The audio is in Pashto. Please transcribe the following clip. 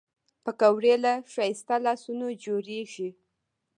پکورې له ښایسته لاسونو جوړېږي